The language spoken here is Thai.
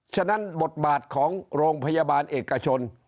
ฉะนั้นบทบาทของโรงพยาบาลเอกชน